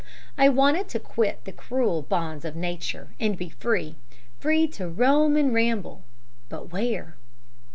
I wanted to quit the cruel bonds of nature and be free free to roam and ramble. But where?